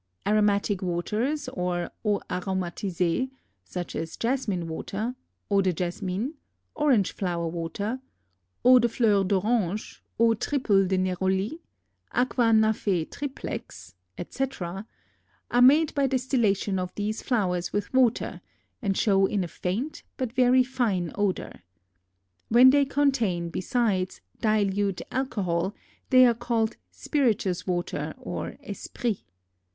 Aromatic waters or eaux aromatisées, such as jasmine water (eau de jasmin), orange flower water (eau de fleurs d'oranges, eau triple de Néroli, aqua naphæ triplex), etc., are made by distillation of these flowers with water and show a faint but very fine odor. When they contain, besides, dilute alcohol they are called spirituous waters or esprits.